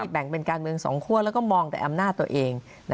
แบ่งเป็นการเมือง๒คั่วแล้วก็มองแต่อำนาจตัวเอง